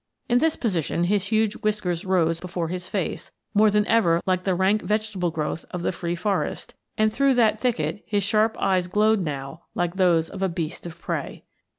In this position his huge whiskers rose before his face, more than ever like the rank vegetable growth of the free forest, and through that thicket his sharp eyes glowed now like those of a beast of prey.